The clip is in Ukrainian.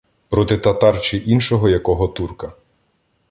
Проти татар чи іншого якого турка.